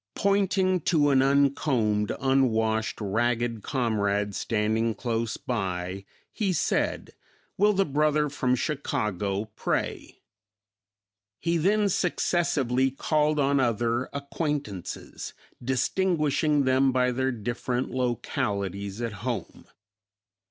Pointing to an uncombed, unwashed, ragged comrade standing close by, he said, "Will the brother from Chicago pray?" He then successively called on other acquaintances, distinguishing them by their different localities at home.